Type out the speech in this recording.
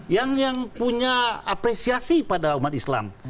yang punya apresiasi pada umat islam